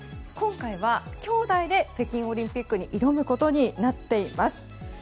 今回は兄弟で北京オリンピックに挑むことになっています。